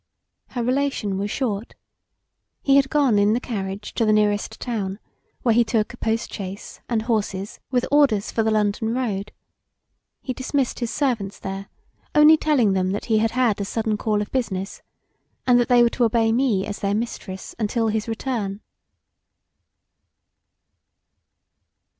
Her relation was short. He had gone in the carriage to the nearest town where he took a post chaise and horses with orders for the London road. He dismissed his servants there, only telling them that he had a sudden call of business and that they were to obey me as their mistress untill his return.